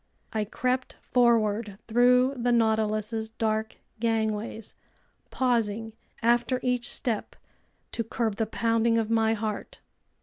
I crept forward through the Nautilus's dark gangways, pausing after each step to curb the pounding of my heart.